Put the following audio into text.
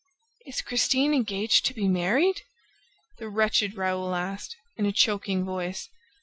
..." "Is Christine engaged to be married?" the wretched Raoul asked, in a choking voice.